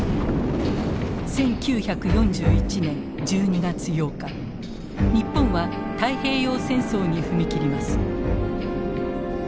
１９４１年１２月８日日本は太平洋戦争に踏み切ります。